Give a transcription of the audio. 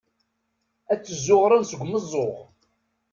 Ad t-zzuɣren seg umeẓẓuɣ.